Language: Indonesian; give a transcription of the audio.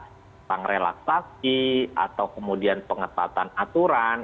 tentang relaksasi atau kemudian pengetatan aturan